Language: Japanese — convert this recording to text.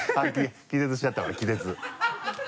気絶しちゃった気絶。